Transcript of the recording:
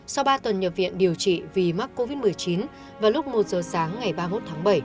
sau ba tuần nhập viện điều trị vì mắc covid một mươi chín vào lúc một giờ sáng ngày ba mươi một tháng bảy